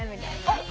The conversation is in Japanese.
あっ。